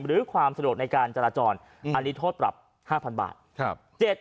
หรือความสะดวกในการจราจรอันนี้โทษปรับ๕๐๐บาท